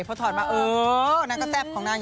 เพราะถอดมาคุณแซ่บอยู่ด้วย